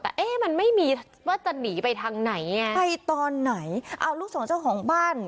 แต่เอ๊ะมันไม่มีว่าจะหนีไปทางไหนอ่ะไปตอนไหนเอาลูกสองเจ้าของบ้าน